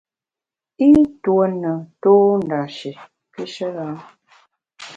I ntue ne tô ndashi pishe lam.